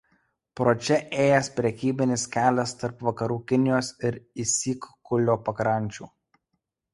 Pro čia ėjęs prekybinis kelias tarp vakarų Kinijos ir Isyk Kulio pakrančių.